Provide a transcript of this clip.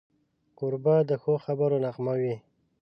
کوربه د ښو خبرو نغمه وي.